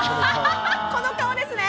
この顔ですね